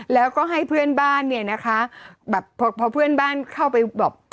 แล้วก็ให้เพื่อนบ้านเนี่ยนะคะแบบพอพอเพื่อนบ้านเข้าไปแบบ